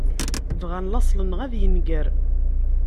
Bγan laṣel-nneγ ad yenger.